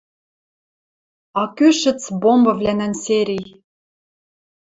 А кӱшӹц бомбывлӓнӓн серий —